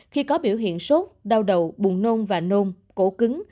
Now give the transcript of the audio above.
khi có biểu hiện sốt đau đầu buồn nôn và nôn cổ cứng